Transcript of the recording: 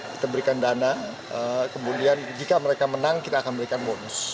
kita berikan dana kemudian jika mereka menang kita akan berikan bonus